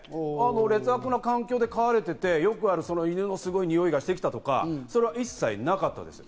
劣悪な環境で飼われていて、よくある、犬のにおいがしてきたとか、そういうのは一切なかったです。